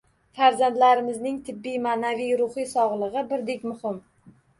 Farzandlarimizning tibbiy, ma’naviy-ruhiy sog‘ligi birdek muhim.